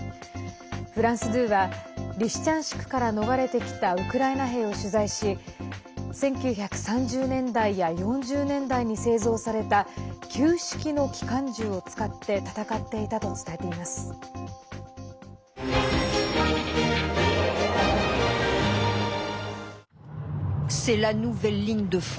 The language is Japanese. フランス２はリシチャンシクから逃れてきたウクライナ兵を取材し１９３０年代や４０年代に製造された旧式の機関銃を使って戦っていたと伝えています。